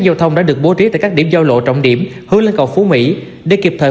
giao thông đã được bố trí tại các điểm giao lộ trọng điểm hướng lên cầu phú mỹ để kịp thời